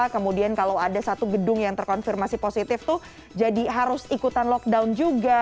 kemudian kalau ada satu gedung yang terkonfirmasi positif tuh jadi harus ikutan lockdown juga